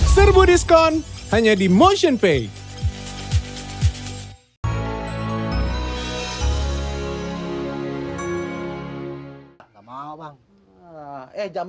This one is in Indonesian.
serbu diskon hanya di motionpay